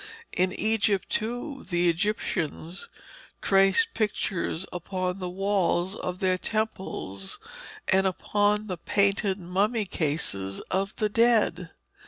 In Egypt, too, the Egyptians traced pictures upon the walls of their temples and upon the painted mummy cases of the dead.